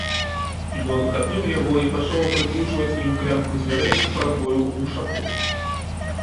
Ён хапіў яго і пачаў прыкручваць ім клямку дзвярэй к прабою ў вушаку.